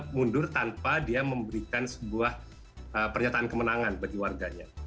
mundur tanpa dia memberikan sebuah pernyataan kemenangan bagi warganya